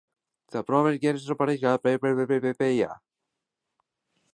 The geometrical pattern on either side is in burnished bronze.